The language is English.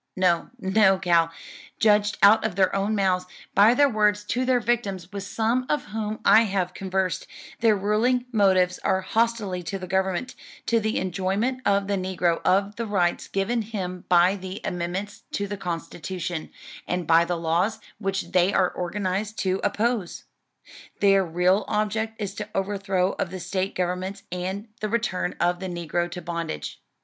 No, no, Cal, judged out of their own mouths, by their words to their victims, with some of whom I have conversed, their ruling motives are hostility to the Government, to the enjoyment of the negro of the rights given him by the amendments to the Constitution, and by the laws which they are organized to oppose.[E] Their real object is the overthrow of the State governments and the return of the negro to bondage.